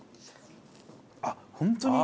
あっ本当に。